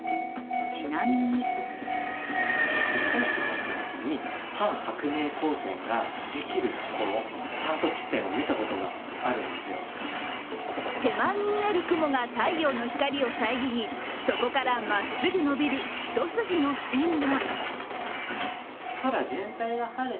ちなみに手前に見える雲が太陽の光を遮り、そこからまっすぐ伸びる一筋の線が。